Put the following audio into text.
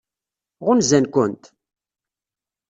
Ɣunzan-kent?